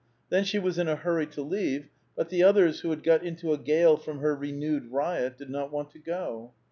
Then she was in a hurry to leave ; but the others, who had got into a gale from her renewed riot, did not want to go.